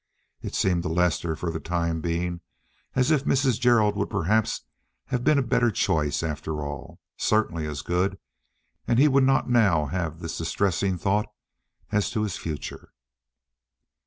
It seemed to Lester for the time being as if Mrs. Gerald would perhaps have been a better choice after all—certainly as good, and he would not now have this distressing thought as to his future.